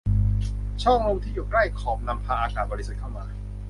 ช่องลมที่อยู่ใกล้ขอบนำพาอากาศบริสุทธิ์เข้ามา